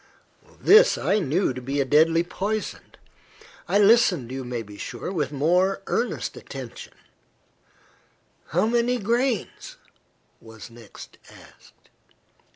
This I knew to be a deadly poison. I listened, you may be sure, with a more earnest attention. "How many grains?" was next asked.